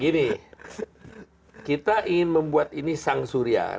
gini kita ingin membuat ini sang surya